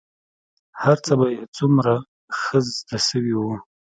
هرڅه به يې څومره ښه زده سوي وو.